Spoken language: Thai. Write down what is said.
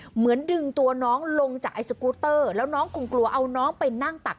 เหมือนดึงตัวน้องลงจากไอสกูเตอร์แล้วน้องคงกลัวเอาน้องไปนั่งตัก